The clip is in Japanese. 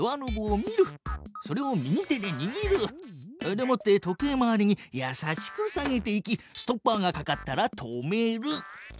でもって時計回りにやさしく下げていきストッパーがかかったら止める。